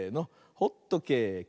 ホットケーキ！